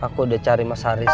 aku udah cari mas haris